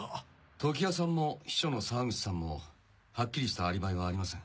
常磐さんも秘書の沢口さんもはっきりしたアリバイはありません。